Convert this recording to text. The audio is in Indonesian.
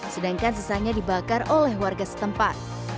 sedangkan sisanya dibakar oleh warga setempat